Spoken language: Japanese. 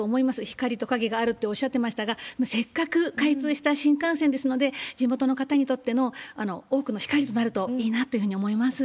光と影があるっておっしゃってましたが、せっかく開通した新幹線ですので、地元の方にとっての多くの光となるといいなというふうに思います。